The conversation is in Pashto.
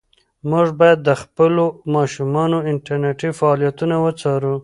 موږ باید د خپلو ماشومانو انټرنيټي فعالیتونه وڅارو.